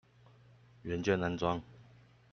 元件安裝